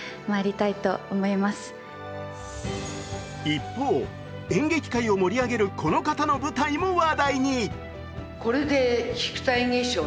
一方、演劇界を盛り上げるこの方の舞台も話題に。